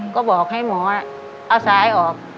ก็บอกให้หมอเอาซ้ายออก